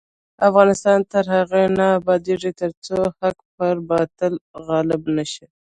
افغانستان تر هغو نه ابادیږي، ترڅو حق پر باطل غالب نشي.